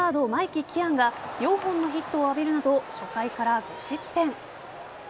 キアンが４本のヒットを浴びるなど初回から５失点。